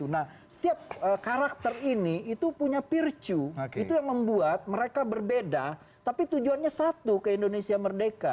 nah setiap karakter ini itu punya virtue itu yang membuat mereka berbeda tapi tujuannya satu ke indonesia merdeka